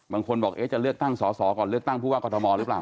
บางคนบอกจะเลือกตั้งสอสอก่อนเลือกตั้งผู้ว่ากรทมหรือเปล่า